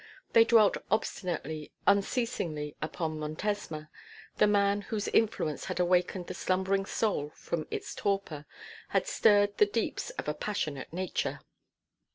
They dwelt obstinately, unceasingly upon Montesma, the man whose influence had awakened the slumbering soul from its torpor, had stirred the deeps of a passionate nature.